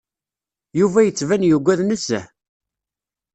Yuba yettban yugad nezzeh.